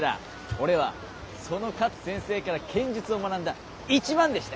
俺はその勝先生から剣術を学んだ一番弟子だ。